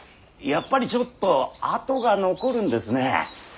やっぱりちょっと痕が残るんですね。